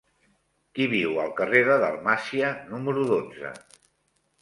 Qui viu al carrer de Dalmàcia número dotze?